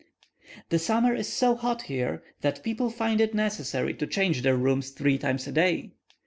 The summer is so hot here, that people find it necessary to change their rooms three times a day.